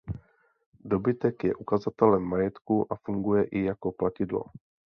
Dobytek je ukazatelem majetku a funguje i jako platidlo.